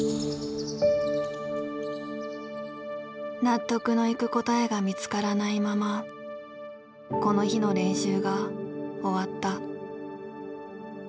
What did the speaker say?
納得のいく答えが見つからないままこの日の練習が終わった。